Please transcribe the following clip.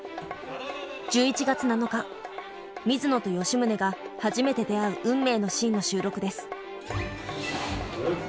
１１月７日水野と吉宗が初めて出会う運命のシーンの収録です。